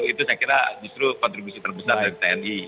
itu saya kira justru kontribusi terbesar dari tni